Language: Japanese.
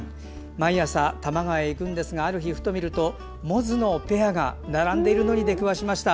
毎朝、多摩川へ行くんですがある日、ふと見るともずのペアが並んでいるのに出くわしました。